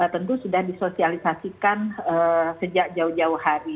tentu sudah disosialisasikan sejak jauh jauh hari